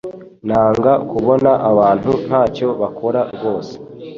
Nanga kubona abantu ntacyo bakora rwose